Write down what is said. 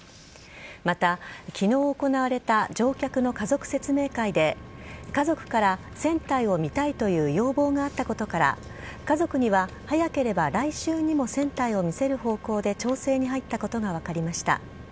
また、昨日行われた乗客の家族説明会で家族から船体を見たいという要望があったことから家族には早ければ来週にも船体を見せる方向で調整に入ったことが分かりました。